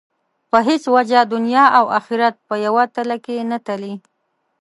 په هېڅ وجه دنیا او آخرت په یوه تله کې نه تلي.